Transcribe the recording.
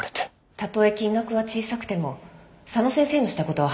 たとえ金額は小さくても佐野先生のした事は犯罪ですよ。